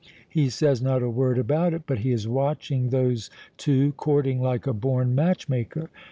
He says not a word about it, but he is watching those two courting like a born match maker.